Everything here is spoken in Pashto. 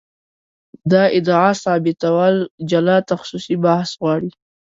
دا ادعا ثابتول جلا تخصصي بحث غواړي.